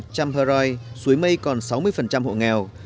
trăm hờ roi suối mây còn sáu mươi hộ nghèo